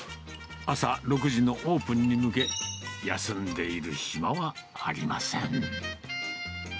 朝６時のオープンに向け、休んでいる暇はありません。